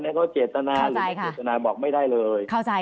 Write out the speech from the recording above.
เขาเจตนาหรือไม่เจตนาบอกไม่ได้เลย